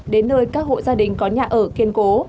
đến nơi các hộ gia đình có nhà ở kiên cố